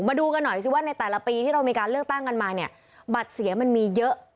มาดูกันหน่อยสิว่าในแต่ละปีที่เรามีการเลือกตั้งกันมาเนี่ยบัตรเสียมันมีเยอะ